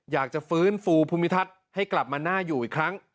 อยากจะฟื้นฟูภูมิทัศน์ให้กลับมาน่าอยู่อีกครั้ง